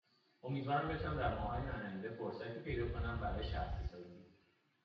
امیدوارم بتوانم در ماههای آینده فرصتی پیدا کنم برای شخصیسازی